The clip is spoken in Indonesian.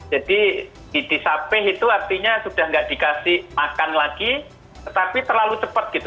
jadi disapih itu artinya sudah nggak dikasih makan lagi tapi terlalu cepat gitu